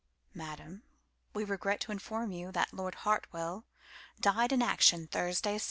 "Madam, we regret to inform you that Lord HartwellDied in action Thursday se'nnight."